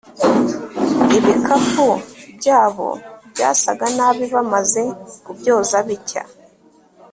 ibikapu byabo byasaga nabi bamaze kubyoza bicya